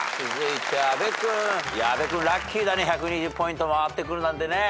阿部君ラッキーだね１２０ポイント回ってくるなんてね。